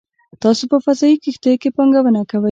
تاسو په فضايي کښتیو کې پانګونه کوئ